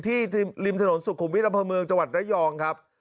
ที่ริมถนนสุขุมวิทยาลัยภาพเมืองจังหวัดระยองครับ